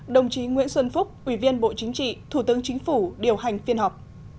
đồng chí nguyễn xuân phúc ủy viên bộ chính trị thủ tướng chính phủ điều hành phiên họp